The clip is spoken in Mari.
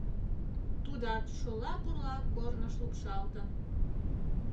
Тудат шола-пурла корныш лупшалтын.